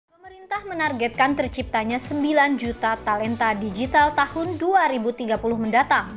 pemerintah menargetkan terciptanya sembilan juta talenta digital tahun dua ribu tiga puluh mendatang